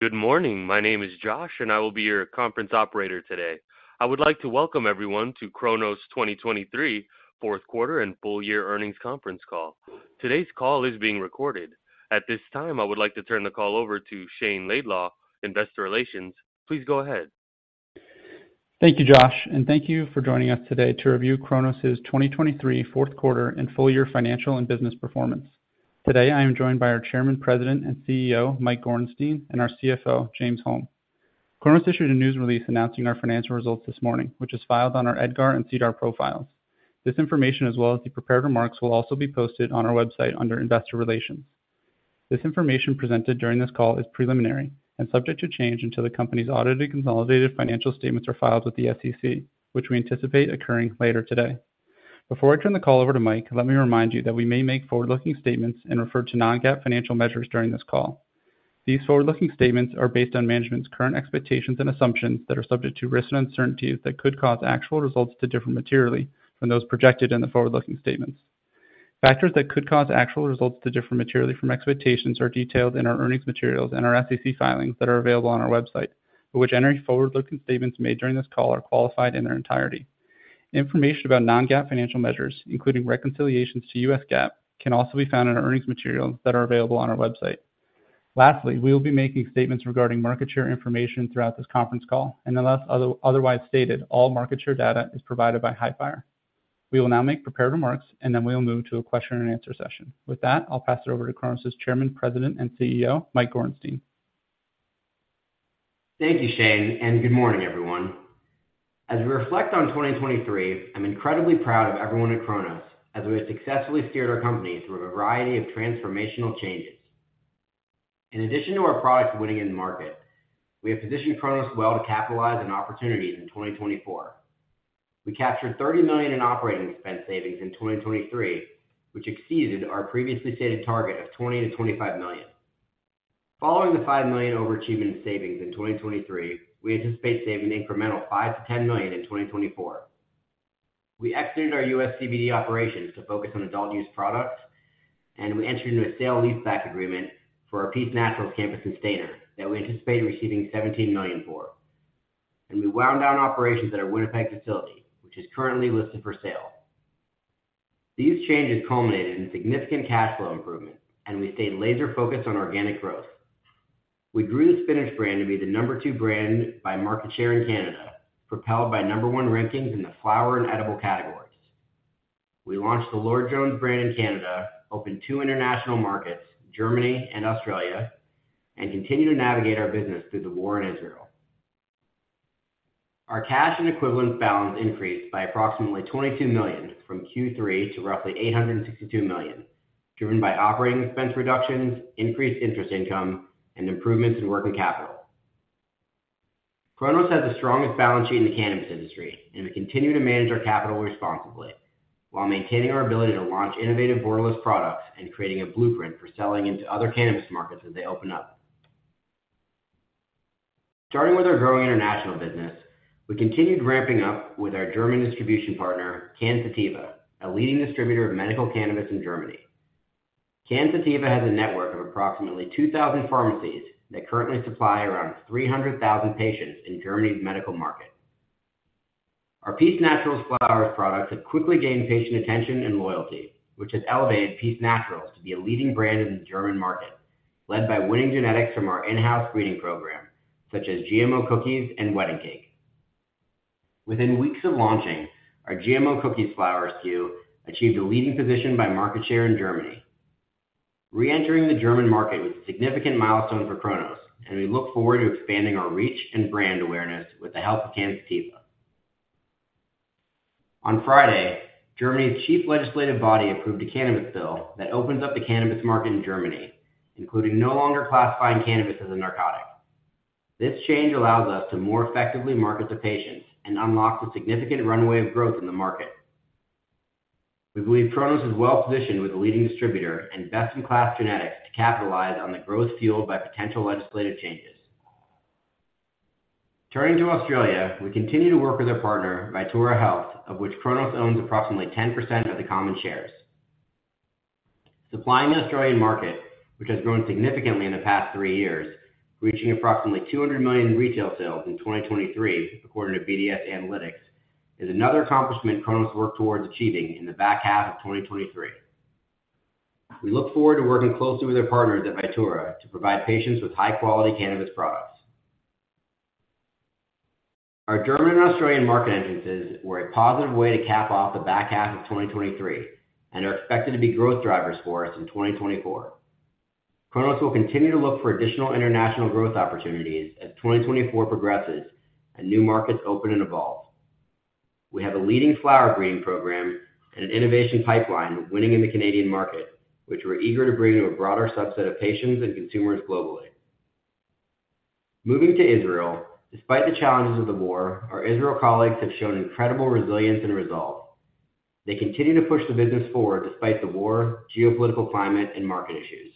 Good morning. My name is Josh, and I will be your conference operator today. I would like to welcome everyone to Cronos 2023 Fourth Quarter and Full Year Earnings Conference Call. Today's call is being recorded. At this time, I would like to turn the call over to Shayne Laidlaw, Investor Relations. Please go ahead. Thank you, Josh, and thank you for joining us today to review Cronos' 2023, Fourth Quarter, and Full Year financial and business performance. Today, I am joined by our Chairman, President, and CEO, Mike Gorenstein, and our CFO, James Holm. Cronos issued a news release announcing our financial results this morning, which is filed on our EDGAR and SEDAR profiles. This information, as well as the prepared remarks, will also be posted on our website under Investor Relations. This information presented during this call is preliminary and subject to change until the company's audited consolidated financial statements are filed with the SEC, which we anticipate occurring later today. Before I turn the call over to Mike, let me remind you that we may make forward-looking statements and refer to non-GAAP financial measures during this call. These forward-looking statements are based on management's current expectations and assumptions that are subject to risks and uncertainties that could cause actual results to differ materially from those projected in the forward-looking statements. Factors that could cause actual results to differ materially from expectations are detailed in our earnings materials and our SEC filings that are available on our website, but which any forward-looking statements made during this call are qualified in their entirety. Information about non-GAAP financial measures, including reconciliations to US GAAP, can also be found in our earnings materials that are available on our website. Lastly, we will be making statements regarding market share information throughout this conference call, and unless otherwise stated, all market share data is provided by Hifyre. We will now make prepared remarks, and then we will move to a question and answer session. With that, I'll pass it over to Cronos' Chairman, President, and CEO, Mike Gorenstein. Thank you, Shayne, and good morning, everyone. As we reflect on 2023, I'm incredibly proud of everyone at Cronos, as we have successfully steered our company through a variety of transformational changes. In addition to our products winning in the market, we have positioned Cronos well to capitalize on opportunities in 2024. We captured $30 million in operating expense savings in 2023, which exceeded our previously stated target of $20 million-$25 million. Following the $5 million overachievement in savings in 2023, we anticipate saving an incremental $5 million-$10 million in 2024. We exited our U.S. CBD operations to focus on adult use products, and we entered into a sale-leaseback agreement for our Peace Naturals campus in Stayner that we anticipate receiving $17 million for. And we wound down operations at our Winnipeg facility, which is currently listed for sale. These changes culminated in significant cash flow improvement, and we stayed laser-focused on organic growth. We grew the Spinach brand to be the number two brand by market share in Canada, propelled by number 1 rankings in the flower and edible categories. We launched the Lord Jones brand in Canada, opened two international markets, Germany and Australia, and continue to navigate our business through the war in Israel. Our cash and equivalent balance increased by approximately $22 million from Q3 to roughly $862 million, driven by operating expense reductions, increased interest income, and improvements in working capital. Cronos has the strongest balance sheet in the cannabis industry, and we continue to manage our capital responsibly while maintaining our ability to launch innovative borderless products and creating a blueprint for selling into other cannabis markets as they open up. Starting with our growing international business, we continued ramping up with our German distribution partner, Cansativa, a leading distributor of medical cannabis in Germany. Cansativa has a network of approximately 2,000 pharmacies that currently supply around 300,000 patients in Germany's medical market. Our PEACE NATURALS flower products have quickly gained patient attention and loyalty, which has elevated PEACE NATURALS to be a leading brand in the German market, led by winning genetics from our in-house breeding program, such as GMO Cookies and Wedding Cake. Within weeks of launching, our GMO Cookies flower SKU achieved a leading position by market share in Germany. Reentering the German market was a significant milestone for Cronos, and we look forward to expanding our reach and brand awareness with the help of Cansativa. On Friday, Germany's chief legislative body approved a cannabis bill that opens up the cannabis market in Germany, including no longer classifying cannabis as a narcotic. This change allows us to more effectively market to patients and unlocks a significant runway of growth in the market. We believe Cronos is well-positioned with a leading distributor and best-in-class genetics to capitalize on the growth fueled by potential legislative changes. Turning to Australia, we continue to work with our partner, Vitura Health, of which Cronos owns approximately 10% of the common shares. Supplying the Australian market, which has grown significantly in the past three years, reaching approximately $200 million in retail sales in 2023, according to BDS Analytics, is another accomplishment Cronos worked towards achieving in the back half of 2023. We look forward to working closely with our partners at Vitura to provide patients with high-quality cannabis products. Our German and Australian market entrances were a positive way to cap off the back half of 2023 and are expected to be growth drivers for us in 2024. Cronos will continue to look for additional international growth opportunities as 2024 progresses and new markets open and evolve. We have a leading flower breeding program and an innovation pipeline winning in the Canadian market, which we're eager to bring to a broader subset of patients and consumers globally. Moving to Israel, despite the challenges of the war, our Israel colleagues have shown incredible resilience and resolve. They continue to push the business forward despite the war, geopolitical climate, and market issues.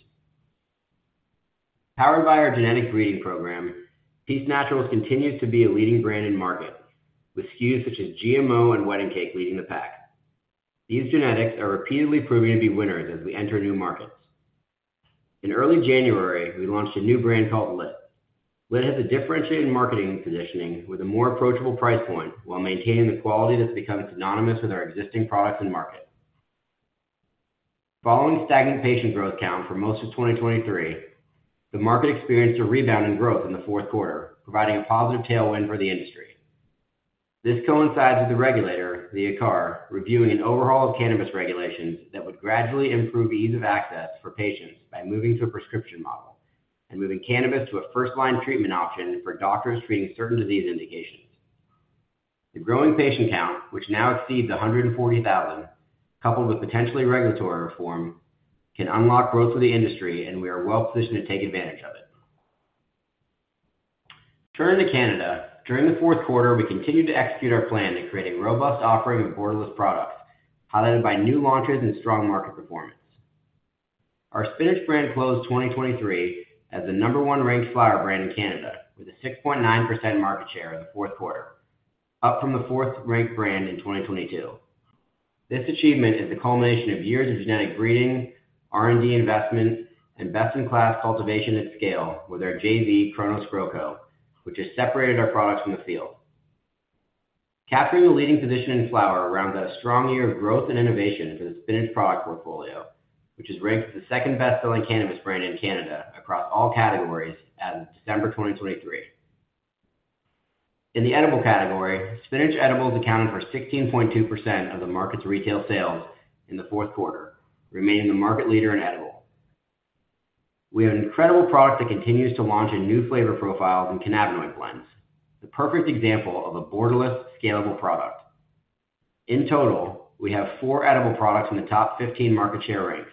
Powered by our genetic breeding program, PEACE NATURALS continues to be a leading brand in the market, with SKUs such as GMO and Wedding Cake leading the pack. These genetics are repeatedly proving to be winners as we enter new markets. In early January, we launched a new brand called Lit. Lit has a differentiated marketing positioning with a more approachable price point, while maintaining the quality that's become synonymous with our existing products in the market. Following stagnant patient growth count for most of 2023, the market experienced a rebound in growth in the fourth quarter, providing a positive tailwind for the industry. This coincides with the regulator, the IMCA, reviewing an overhaul of cannabis regulations that would gradually improve ease of access for patients by moving to a prescription model, and moving cannabis to a first-line treatment option for doctors treating certain disease indications. The growing patient count, which now exceeds 140,000, coupled with potentially regulatory reform, can unlock growth for the industry, and we are well-positioned to take advantage of it. Turning to Canada, during the fourth quarter, we continued to execute our plan to create a robust offering of borderless products, highlighted by new launches and strong market performance. Our Spinach brand closed 2023 as the #1 ranked flower brand in Canada, with a 6.9% market share in the fourth quarter, up from the fourth-ranked brand in 2022. This achievement is the culmination of years of genetic breeding, R&D investments, and best-in-class cultivation at scale with our JV, Cronos GrowCo, which has separated our products from the field. Capturing the leading position in flower around a strong year of growth and innovation for the Spinach product portfolio, which is ranked the second-best-selling cannabis brand in Canada across all categories as of December 2023. In the edible category, Spinach edibles accounted for 16.2% of the market's retail sales in the fourth quarter, remaining the market leader in edibles. We have an incredible product that continues to launch in new flavor profiles and cannabinoid blends, the perfect example of a borderless, scalable product. In total, we have four edible products in the top 15 market share ranks.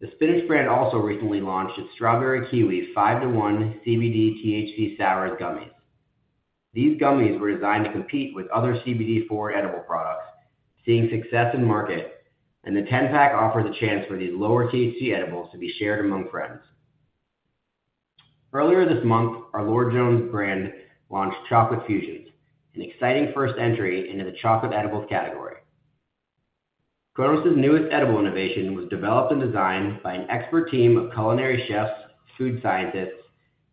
The Spinach brand also recently launched its Strawberry Kiwi 5:1 CBD THC SOURZ gummy. These gummies were designed to compete with other CBD-forward edible products, seeing success in market, and the 10-pack offers a chance for these lower-THC edibles to be shared among friends. Earlier this month, our Lord Jones brand launched Chocolate Fusions, an exciting first entry into the chocolate edibles category. Cronos' newest edible innovation was developed and designed by an expert team of culinary chefs, food scientists,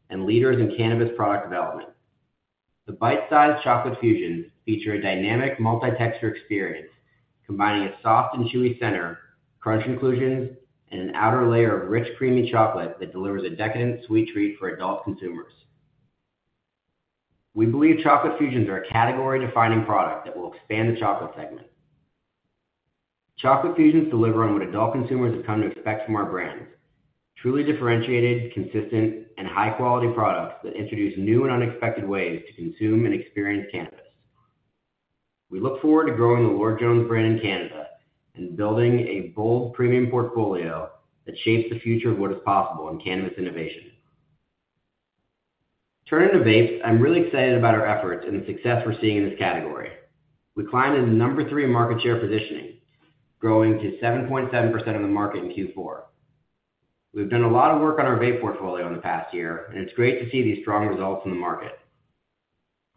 and leaders in cannabis product development. The bite-sized Chocolate Fusions feature a dynamic multi-texture experience, combining a soft and chewy center, crunch inclusions, and an outer layer of rich, creamy chocolate that delivers a decadent sweet treat for adult consumers. We believe Chocolate Fusions are a category-defining product that will expand the chocolate segment. Chocolate Fusions deliver on what adult consumers have come to expect from our brands: truly differentiated, consistent, and high-quality products that introduce new and unexpected ways to consume and experience cannabis. We look forward to growing the Lord Jones brand in Canada and building a bold premium portfolio that shapes the future of what is possible in cannabis innovation. Turning to vapes, I'm really excited about our efforts and the success we're seeing in this category. We climbed into number three market share positioning, growing to 7.7% of the market in Q4. We've done a lot of work on our vape portfolio in the past year, and it's great to see these strong results in the market.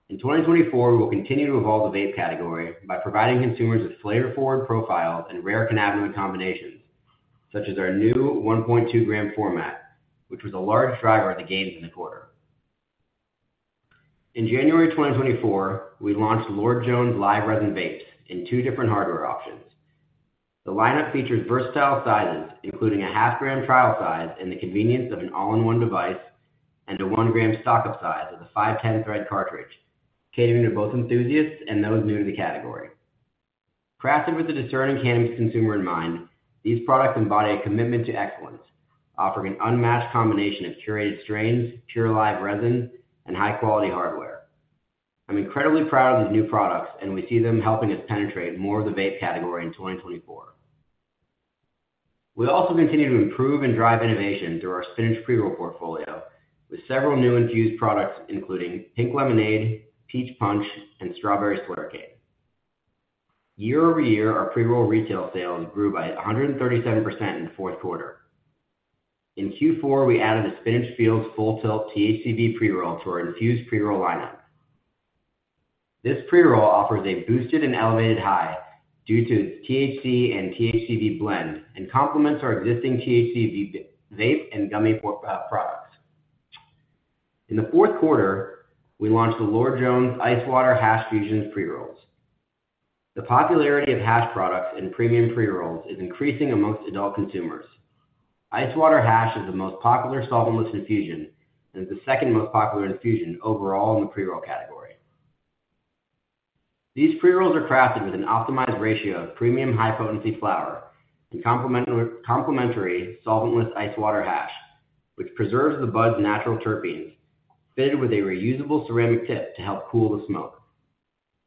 In 2024, we will continue to evolve the vape category by providing consumers with flavor-forward profiles and rare cannabinoid combinations, such as our new 1.2g format, which was a large driver of the gains in the quarter. In January 2024, we launched Lord Jones Live Resin Vapes in two different hardware options. The lineup features versatile sizes, including a half-gram trial size and the convenience of an all-in-one device, and a 1-gram stock-up size of the 510-thread cartridge, catering to both enthusiasts and those new to the category. Crafted with the discerning cannabis consumer in mind, these products embody a commitment to excellence, offering an unmatched combination of curated strains, pure live resin, and high-quality hardware. I'm incredibly proud of these new products, and we see them helping us penetrate more of the vape category in 2024. We also continue to improve and drive innovation through our Spinach pre-roll portfolio, with several new infused products, including Pink Lemonade, Peach Punch, and Strawberry Splitter Cake. Year-over-year, our pre-roll retail sales grew by 137% in the fourth quarter. In Q4, we added a Spinach FEELZ Full Tilt THCV pre-roll to our infused pre-roll lineup. This pre-roll offers a boosted and elevated high due to its THC and THCV blend, and complements our existing THCV vape and gummy products. In the fourth quarter, we launched the Lord Jones Ice Water Hash Fusion pre-rolls. The popularity of hash products in premium pre-rolls is increasing among adult consumers. Ice water hash is the most popular solventless infusion and is the second most popular infusion overall in the pre-roll category. These pre-rolls are crafted with an optimized ratio of premium high-potency flower and complementary solventless ice water hash, which preserves the bud's natural terpenes, fitted with a reusable ceramic tip to help cool the smoke.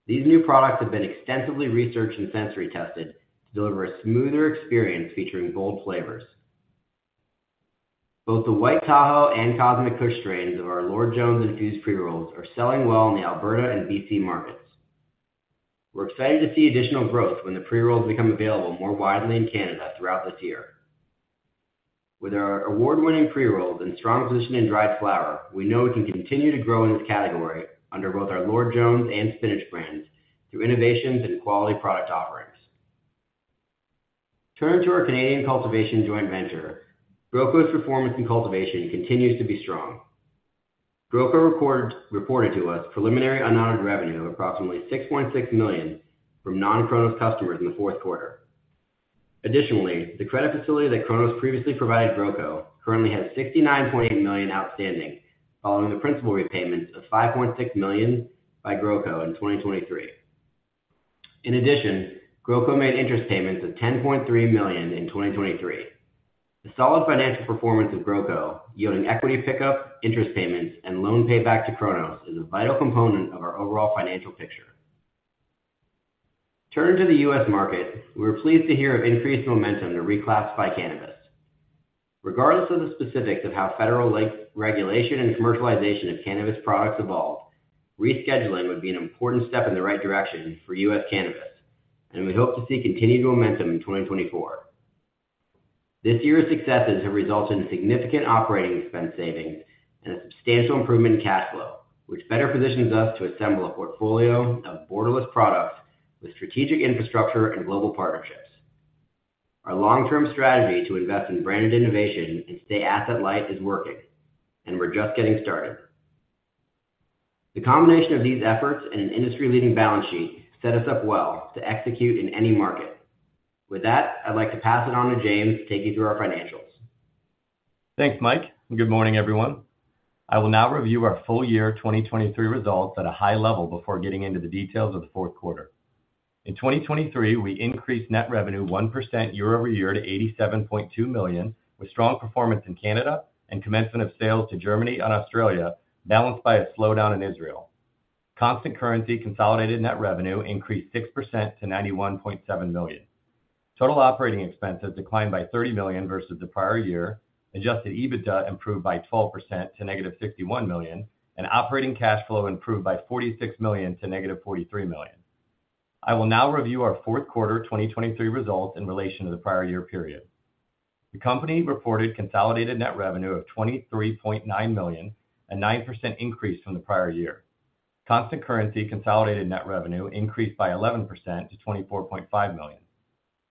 These new products have been extensively researched and sensory tested to deliver a smoother experience, featuring bold flavors. Both the White Tahoe and Cosmic Kush strains of our Lord Jones infused pre-rolls are selling well in the Alberta and BC markets. We're excited to see additional growth when the pre-rolls become available more widely in Canada throughout this year. With our award-winning pre-rolls and strong position in dried flower, we know we can continue to grow in this category under both our Lord Jones and Spinach brands through innovations and quality product offerings. Turning to our Canadian cultivation joint venture, GrowCo's performance in cultivation continues to be strong. GrowCo reported to us preliminary unaudited revenue of approximately $6.6 million from non-Cronos customers in the fourth quarter. Additionally, the credit facility that Cronos previously provided GrowCo currently has $69.8 million outstanding, following the principal repayments of $5.6 million by GrowCo in 2023. In addition, GrowCo made interest payments of $10.3 million in 2023. The solid financial performance of GrowCo, yielding equity pickup, interest payments, and loan payback to Cronos, is a vital component of our overall financial picture. Turning to the U.S. market, we were pleased to hear of increased momentum to reclassify cannabis. Regardless of the specifics of how federal legislation and regulation and commercialization of cannabis products evolve, rescheduling would be an important step in the right direction for U.S. cannabis, and we hope to see continued momentum in 2024. This year's successes have resulted in significant operating expense savings and a substantial improvement in cash flow, which better positions us to assemble a portfolio of borderless products with strategic infrastructure and global partnerships. Our long-term strategy to invest in branded innovation and stay asset light is working, and we're just getting started. The combination of these efforts and an industry-leading balance sheet set us up well to execute in any market. With that, I'd like to pass it on to James to take you through our financials. Thanks, Mike, and good morning, everyone. I will now review our full year 2023 results at a high level before getting into the details of the fourth quarter. In 2023, we increased net revenue 1% year-over-year to $87.2 million, with strong performance in Canada and commencement of sales to Germany and Australia, balanced by a slowdown in Israel. Constant currency consolidated net revenue increased 6% to $91.7 million. Total operating expenses declined by $30 million versus the prior year, Adjusted EBITDA improved by 12% to -$61 million, and operating cash flow improved by $46 million to -$43 million. I will now review our fourth quarter 2023 results in relation to the prior year period. The company reported consolidated net revenue of $23.9 million, a 9% increase from the prior year. Constant currency consolidated net revenue increased by 11% to $24.5 million.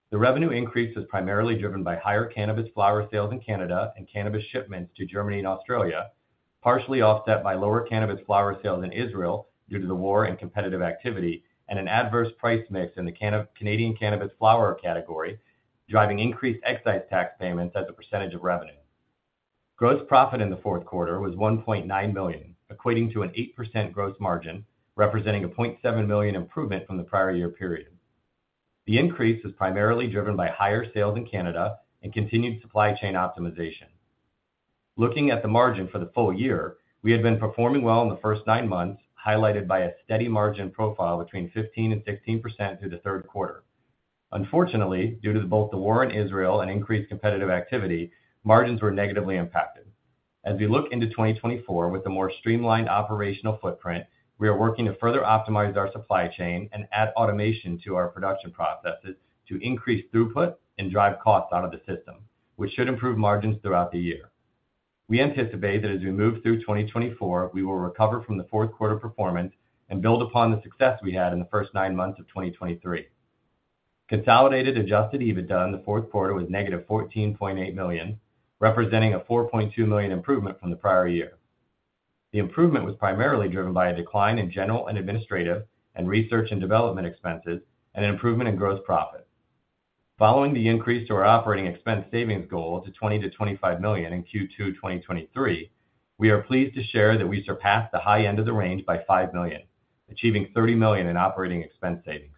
The revenue increase was primarily driven by higher cannabis flower sales in Canada and cannabis shipments to Germany and Australia, partially offset by lower cannabis flower sales in Israel due to the war and competitive activity, and an adverse price mix in the Canadian cannabis flower category, driving increased excise tax payments as a percentage of revenue. Gross profit in the fourth quarter was $1.9 million, equating to an 8% gross margin, representing a $0.7 million improvement from the prior year period. The increase was primarily driven by higher sales in Canada and continued supply chain optimization. Looking at the margin for the full year, we had been performing well in the first nine months, highlighted by a steady margin profile between 15% and 16% through the third quarter. Unfortunately, due to both the war in Israel and increased competitive activity, margins were negatively impacted. As we look into 2024 with a more streamlined operational footprint, we are working to further optimize our supply chain and add automation to our production processes to increase throughput and drive costs out of the system, which should improve margins throughout the year. We anticipate that as we move through 2024, we will recover from the fourth quarter performance and build upon the success we had in the first nine months of 2023. Consolidated Adjusted EBITDA in the fourth quarter was negative $14.8 million, representing a $4.2 million improvement from the prior year. The improvement was primarily driven by a decline in general and administrative, and research and development expenses, and an improvement in gross profit. Following the increase to our operating expense savings goal to $20 million-$25 million in Q2 2023, we are pleased to share that we surpassed the high end of the range by $5 million, achieving $30 million in operating expense savings.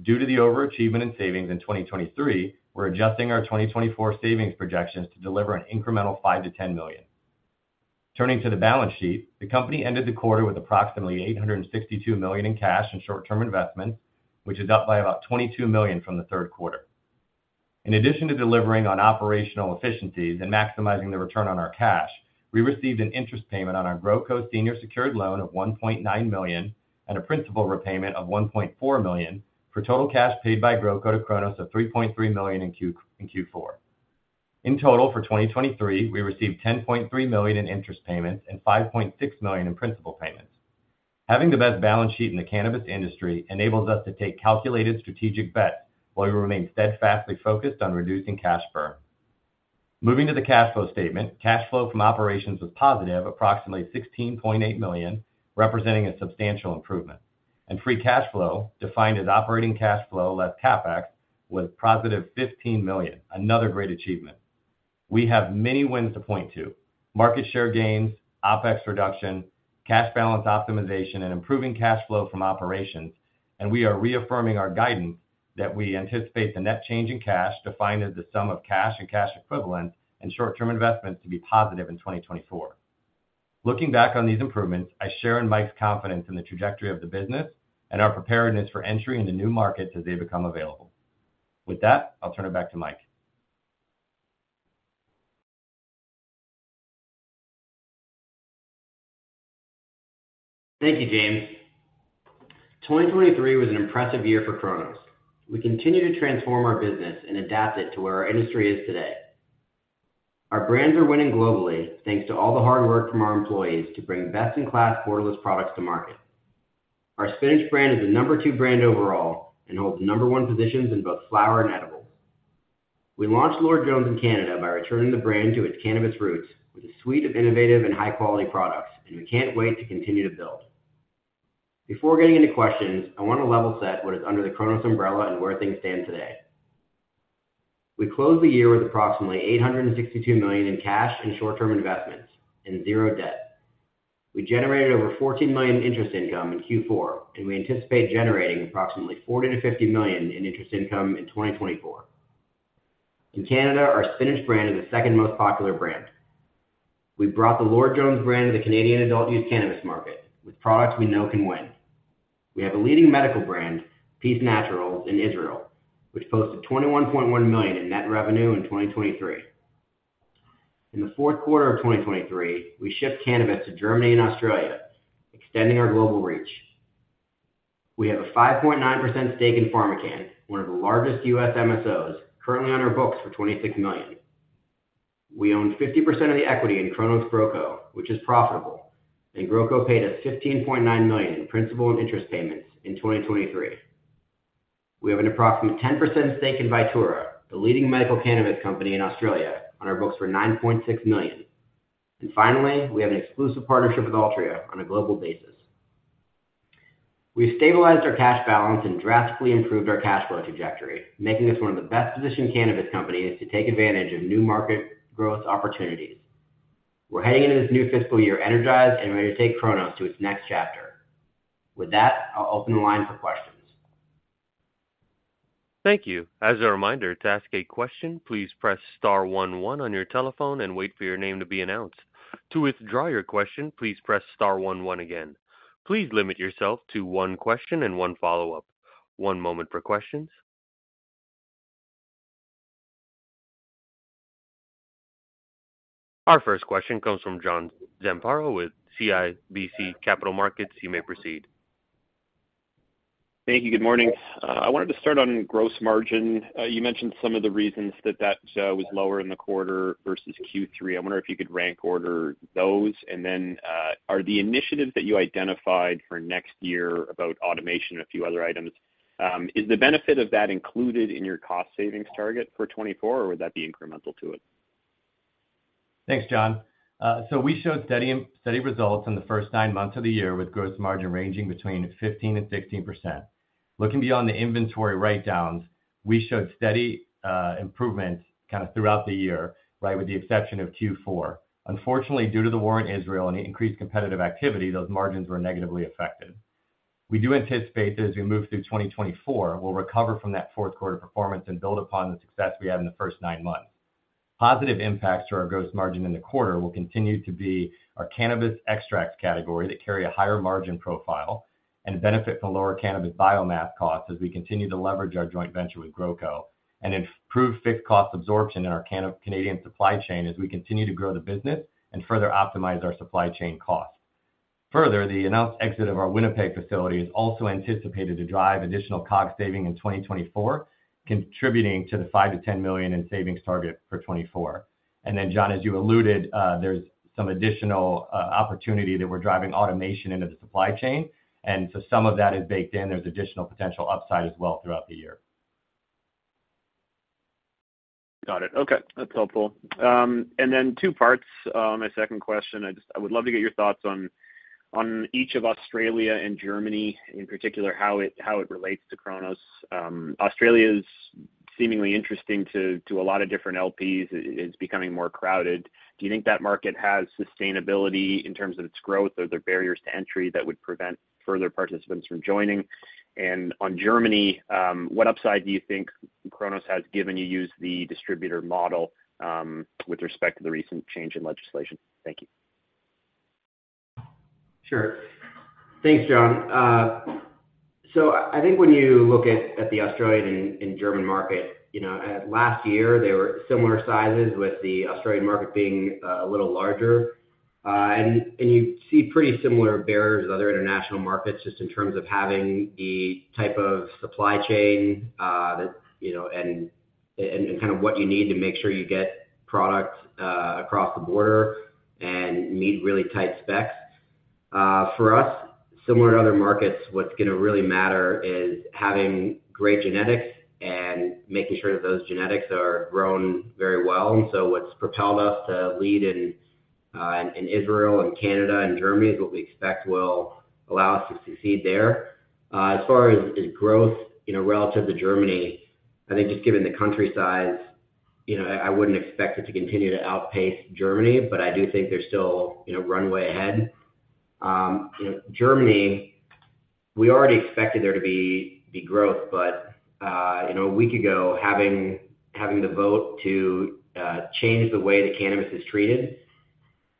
Due to the overachievement in savings in 2023, we're adjusting our 2024 savings projections to deliver an incremental $5 million-$10 million. Turning to the balance sheet, the company ended the quarter with approximately $862 million in cash and short-term investments, which is up by about $22 million from the third quarter. In addition to delivering on operational efficiencies and maximizing the return on our cash, we received an interest payment on our GrowCo senior secured loan of $1.9 million and a principal repayment of $1.4 million, for total cash paid by GrowCo to Cronos of $3.3 million in Q4. In total, for 2023, we received $10.3 million in interest payments and $5.6 million in principal payments. Having the best balance sheet in the cannabis industry enables us to take calculated strategic bets, while we remain steadfastly focused on reducing cash burn. Moving to the cash flow statement, cash flow from operations was positive, approximately $16.8 million, representing a substantial improvement, and free cash flow, defined as operating cash flow less CapEx, was positive $15 million, another great achievement. We have many wins to point to: market share gains, OpEx reduction, cash balance optimization, and improving cash flow from operations, and we are reaffirming our guidance that we anticipate the net change in cash, defined as the sum of cash and cash equivalents and short-term investments, to be positive in 2024. Looking back on these improvements, I share in Mike's confidence in the trajectory of the business and our preparedness for entry into new markets as they become available. With that, I'll turn it back to Mike. Thank you, James. 2023 was an impressive year for Cronos. We continue to transform our business and adapt it to where our industry is today. Our brands are winning globally, thanks to all the hard work from our employees to bring best-in-class borderless products to market. Our Spinach brand is the number two brand overall and holds number one positions in both flower and edibles. We launched Lord Jones in Canada by returning the brand to its cannabis roots, with a suite of innovative and high-quality products, and we can't wait to continue to build. Before getting into questions, I want to level set what is under the Cronos umbrella and where things stand today. We closed the year with approximately $862 million in cash and short-term investments and zero debt. We generated over $14 million interest income in Q4, and we anticipate generating approximately $40 million-$50 million in interest income in 2024. In Canada, our Spinach brand is the second most popular brand. We've brought the Lord Jones brand to the Canadian adult-use cannabis market, with products we know can win. We have a leading medical brand, PEACE NATURALS, in Israel, which posted $21.1 million in net revenue in 2023. In the fourth quarter of 2023, we shipped cannabis to Germany and Australia, extending our global reach. We have a 5.9% stake in PharmaCann, one of the largest U.S. MSOs, currently on our books for $26 million. We own 50% of the equity in Cronos GrowCo, which is profitable, and GrowCo paid us $15.9 million in principal and interest payments in 2023. We have an approximate 10% stake in Vitura, the leading medical cannabis company in Australia, on our books for $9.6 million. And finally, we have an exclusive partnership with Altria on a global basis. We've stabilized our cash balance and drastically improved our cash flow trajectory, making us one of the best-positioned cannabis companies to take advantage of new market growth opportunities. We're heading into this new fiscal year energized and ready to take Cronos to its next chapter. With that, I'll open the line for questions. Thank you. As a reminder, to ask a question, please press star one one on your telephone and wait for your name to be announced. To withdraw your question, please press star one one again. Please limit yourself to one question and one follow-up. One moment for questions. Our first question comes from John Zamparo with CIBC Capital Markets. You may proceed. Thank you. Good morning. I wanted to start on gross margin. You mentioned some of the reasons that was lower in the quarter versus Q3. I wonder if you could rank order those, and then, are the initiatives that you identified for next year about automation and a few other items, is the benefit of that included in your cost savings target for 2024, or would that be incremental to it? Thanks, John. So we showed steady, steady results in the first nine months of the year, with gross margin ranging between 15%-16%. Looking beyond the inventory write-downs, we showed steady improvement kind of throughout the year, right, with the exception of Q4. Unfortunately, due to the war in Israel and the increased competitive activity, those margins were negatively affected. We do anticipate as we move through 2024, we'll recover from that fourth quarter performance and build upon the success we had in the first nine months. Positive impacts to our gross margin in the quarter will continue to be our cannabis extract category that carry a higher margin profile, and benefit from lower cannabis biomass costs as we continue to leverage our joint venture with GrowCo, and improve fixed cost absorption in our Canadian supply chain as we continue to grow the business and further optimize our supply chain costs. Further, the announced exit of our Winnipeg facility is also anticipated to drive additional cost saving in 2024, contributing to the $5 million-$10 million in savings target for 2024. Then, John, as you alluded, there's some additional opportunity that we're driving automation into the supply chain, and so some of that is baked in. There's additional potential upside as well throughout the year. Got it. Okay, that's helpful. And then two parts. My second question, I would love to get your thoughts on each of Australia and Germany, in particular, how it relates to Cronos. Australia's seemingly interesting to a lot of different LPs. It's becoming more crowded. Do you think that market has sustainability in terms of its growth, or are there barriers to entry that would prevent further participants from joining? And on Germany, what upside do you think Cronos has given you use the distributor model, with respect to the recent change in legislation? Thank you. Sure. Thanks, John. So I think when you look at the Australian and German market, you know, last year they were similar sizes, with the Australian market being a little larger. And you see pretty similar barriers as other international markets, just in terms of having the type of supply chain that, you know, and kind of what you need to make sure you get product across the border and meet really tight specs. For us, similar to other markets, what's gonna really matter is having great genetics and making sure that those genetics are grown very well. And so what's propelled us to lead in Israel and Canada and Germany is what we expect will allow us to succeed there. As far as growth, you know, relative to Germany, I think just given the country size, you know, I wouldn't expect it to continue to outpace Germany, but I do think there's still, you know, runway ahead. You know, Germany, we already expected there to be growth, but, you know, a week ago, having the vote to change the way that cannabis is treated,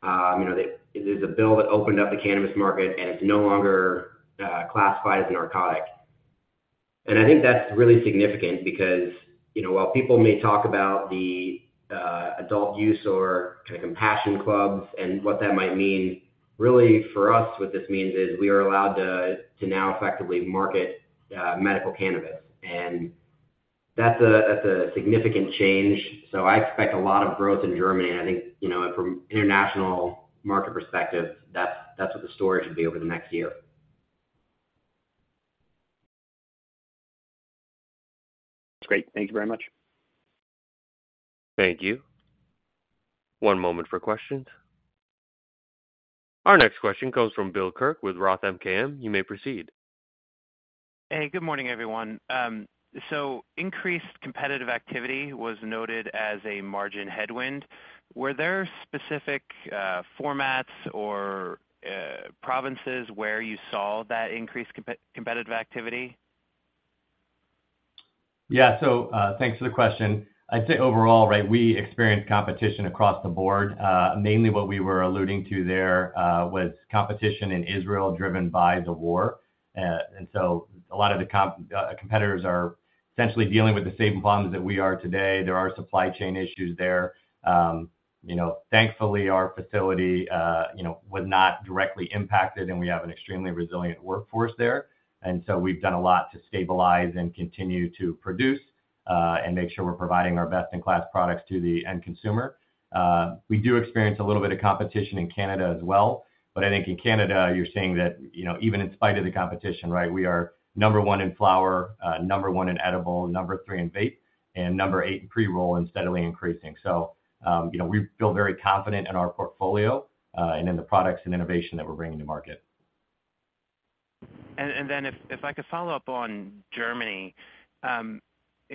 you know, there's a bill that opened up the cannabis market, and it's no longer classified as a narcotic. And I think that's really significant because, you know, while people may talk about the adult use or kind of compassion clubs and what that might mean, really for us, what this means is we are allowed to now effectively market medical cannabis. And that's a significant change. So I expect a lot of growth in Germany, and I think, you know, from international market perspective, that's what the story should be over the next year. That's great. Thank you very much. Thank you. One moment for questions. Our next question comes from Bill Kirk with Roth MKM. You may proceed. Hey, good morning, everyone. So increased competitive activity was noted as a margin headwind. Were there specific formats or provinces where you saw that increased competitive activity? Yeah. So, thanks for the question. I'd say overall, right, we experienced competition across the board. Mainly what we were alluding to there was competition in Israel, driven by the war. And so a lot of the competitors are essentially dealing with the same problems that we are today. There are supply chain issues there. You know, thankfully, our facility, you know, was not directly impacted, and we have an extremely resilient workforce there. And so we've done a lot to stabilize and continue to produce, and make sure we're providing our best-in-class products to the end consumer. We do experience a little bit of competition in Canada as well, but I think in Canada, you're seeing that, you know, even in spite of the competition, right, we are number one in flower, number one in edible, number three in vape, and number eight in pre-roll and steadily increasing. So, you know, we feel very confident in our portfolio, and in the products and innovation that we're bringing to market. If I could follow up on Germany. You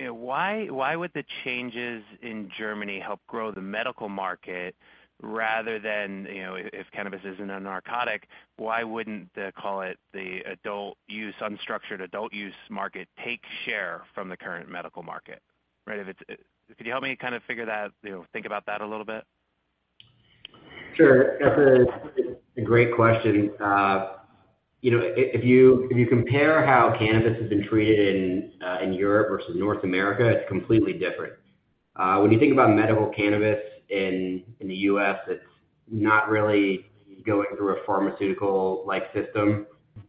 know, why would the changes in Germany help grow the medical market rather than, you know, if cannabis isn't a narcotic, why wouldn't call it the adult use, unstructured adult use market take share from the current medical market, right? If it's... Could you help me kind of figure that, you know, think about that a little bit? Sure. That's a great question. You know, if you compare how cannabis has been treated in Europe versus North America, it's completely different. When you think about medical cannabis in the U.S., it's not really going through a pharmaceutical-like system.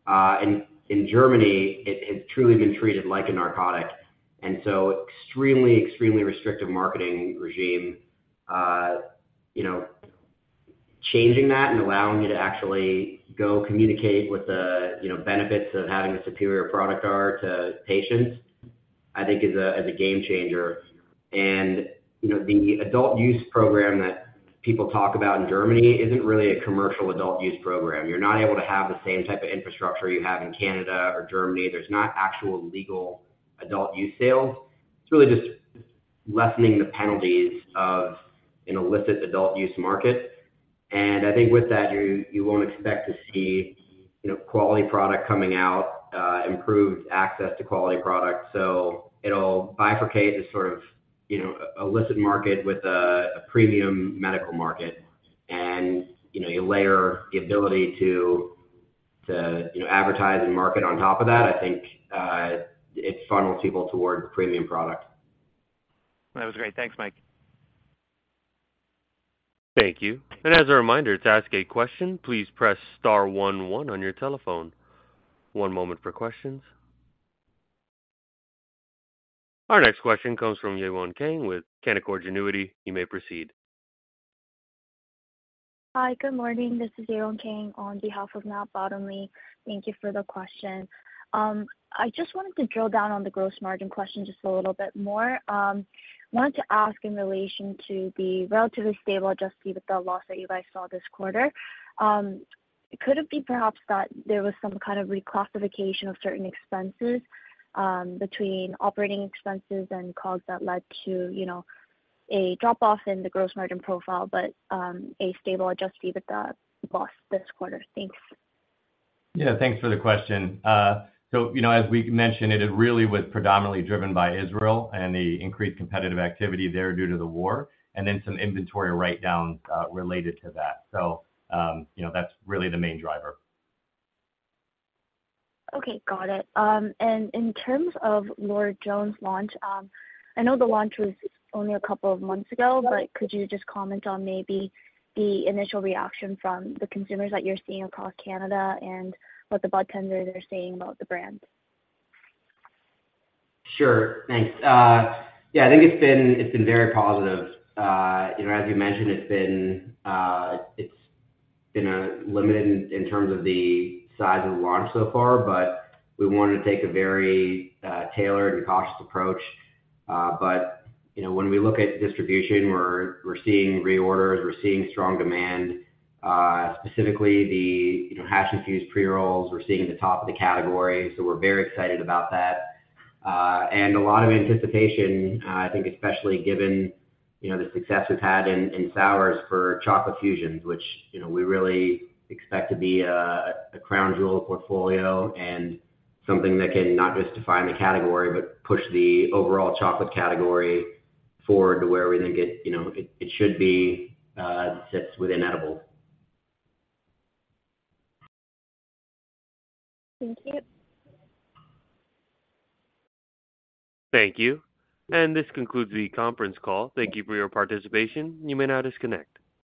In Germany, it has truly been treated like a narcotic, and so extremely restrictive marketing regime. You know, changing that and allowing you to actually go communicate what the benefits of having a superior product are to patients, I think is a game changer. And, you know, the adult use program that people talk about in Germany isn't really a commercial adult use program. You're not able to have the same type of infrastructure you have in Canada or Germany. There's not actual legal adult use sales. It's really just lessening the penalties of an illicit adult use market. And I think with that, you won't expect to see, you know, quality product coming out, improved access to quality products. So it'll bifurcate the sort of, you know, illicit market with a premium medical market. And, you know, you layer the ability to, you know, advertise and market on top of that, I think, it funnels people toward premium product. That was great. Thanks, Mike. Thank you. As a reminder, to ask a question, please press star one one on your telephone. One moment for questions. Our next question comes from Yewon Kang with Canaccord Genuity. You may proceed. Hi, good morning. This is Yewon Kang on behalf of Matt Bottomley. Thank you for the question. I just wanted to drill down on the gross margin question just a little bit more. Wanted to ask in relation to the relatively stable Adjusted EBITDA loss that you guys saw this quarter, could it be perhaps that there was some kind of reclassification of certain expenses, between operating expenses and costs that led to, you know, a drop-off in the gross margin profile, but, a stable Adjusted EBITDA loss this quarter? Thanks. Yeah, thanks for the question. So, you know, as we mentioned, it really was predominantly driven by Israel and the increased competitive activity there due to the war, and then some inventory write-downs related to that. So, you know, that's really the main driver. Okay, got it. And in terms of Lord Jones launch, I know the launch was only a couple of months ago, but could you just comment on maybe the initial reaction from the consumers that you're seeing across Canada and what the budtenders are saying about the brand? Sure. Thanks. Yeah, I think it's been very positive. You know, as you mentioned, it's been limited in terms of the size of the launch so far, but we wanted to take a very tailored and cautious approach. But you know, when we look at distribution, we're seeing reorders, we're seeing strong demand. Specifically the, you know, hash infused pre-rolls, we're seeing at the top of the category, so we're very excited about that. And a lot of anticipation, I think especially given, you know, the success we've had in SOURZ for Chocolate Fusions, which, you know, we really expect to be a crown jewel portfolio and something that can not just define the category, but push the overall chocolate category forward to where we think it, you know, it should be, sits within edibles. Thank you. Thank you. This concludes the conference call. Thank you for your participation. You may now disconnect.